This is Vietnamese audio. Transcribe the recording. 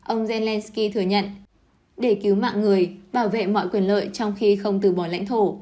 ông zelensky thừa nhận để cứu mạng người bảo vệ mọi quyền lợi trong khi không từ bỏ lãnh thổ